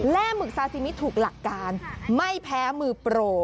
และหมึกซาซิมิถูกหลักการไม่แพ้มือโปร